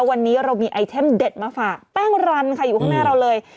วันนี้เรามีไอเทมเด็ดมาฝากแป้งรันค่ะอยู่ข้างหน้าเราเลย